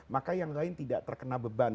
maka yang lain tidak terkena beban